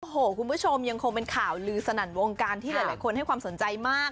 โอ้โหคุณผู้ชมยังคงเป็นข่าวลือสนั่นวงการที่หลายคนให้ความสนใจมาก